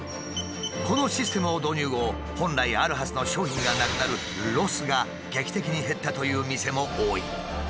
このシステムを導入後本来あるはずの商品がなくなるロスが劇的に減ったという店も多い。